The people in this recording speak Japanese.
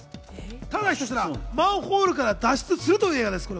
ただひたすらマンホールから脱出するという映画です。